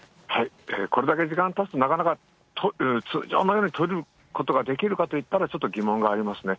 これだけ時間たつと、なかなか通常のように取れることができるかと言ったらちょっと疑問がありますね。